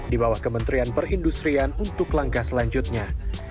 di bawah kementerian perindustrian untuk langkah selanjutnya